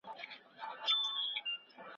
د اسلام قانون د هر چا لپاره یو شان دی.